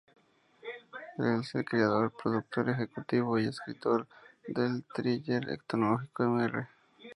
Es el creador, productor ejecutivo y escritor del thriller tecnológico Mr.